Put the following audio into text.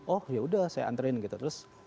oh yaudah saya anterin gitu